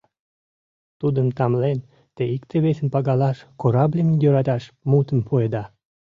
Тудым тамлен, те икте-весым пагалаш, корабльым йӧраташ мутым пуэда.